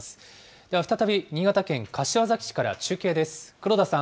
では再び、新潟県柏崎市から中継です、黒田さん。